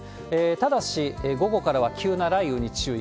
ただし、午後からは急な雷雨に注意。